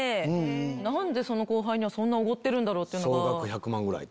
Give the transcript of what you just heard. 何でその後輩にはそんなおごってるんだろう？って。